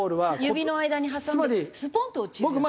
指の間に挟んでスポンと落ちるやつ。